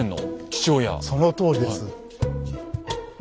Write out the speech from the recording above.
そのとおりです。